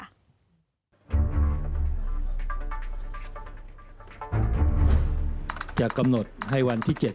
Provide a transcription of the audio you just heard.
เป็นนายกรัฐบุญดุลีครับ